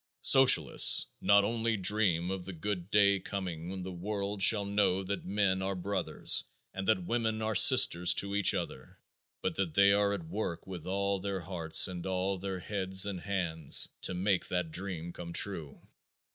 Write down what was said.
Socialists not only dream of the good day coming when the world shall know that men are brothers and that women are sisters to each other, but they are at work with all their hearts and all their heads and hands to make that dream come true.